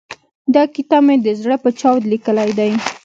دا کتاب مې د زړه په چاود ليکلی دی.